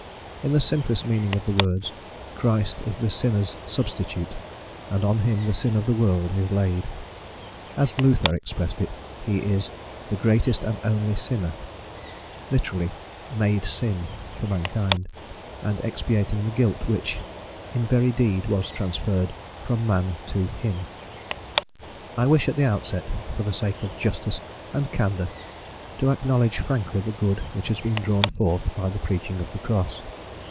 In the simplest meaning of the words, Christ is the sinner's substitute, and on him the sin of the world is laid: as Luther expressed it, he "is the greatest and only sinner;" literally "made sin" for mankind, and expiating the guilt which, in very deed, was transferred from man to him. I wish at the outset, for the sake of justice and candour, to acknowledge frankly the good which has been drawn forth by the preaching of the Cross.